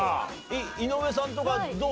井上さんとかはどう？